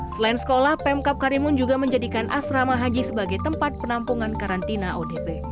selain sekolah pemkap karimun juga menjadikan asrama haji sebagai tempat penampungan karantina odp